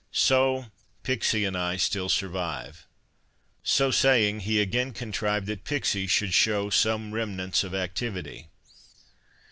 So Pixie and I still survive." So saying, he again contrived that Pixie should show some remnants of activity.